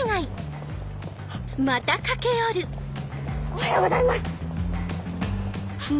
おはようございます！